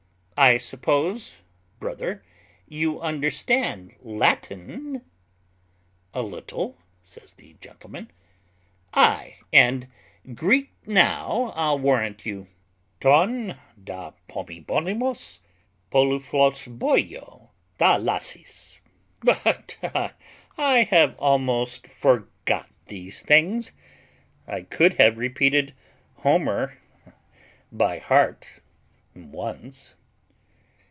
I suppose, brother, you understand Latin?" "A little," says the gentleman. "Aye, and Greek now, I'll warrant you: Ton dapomibominos poluflosboio Thalasses. But I have almost forgot these things: I could have repeated Homer by heart once."